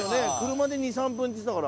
車で２３分って言ってたから。